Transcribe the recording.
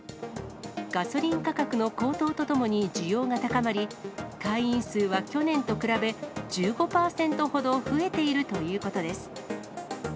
ガソリン価格の高騰とともに需要が高まり、会員数は去年と比べ、１５％ほど増えているということです。